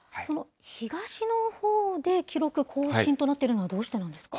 東のほうで記録更新となっているのは、どうしてなんですか。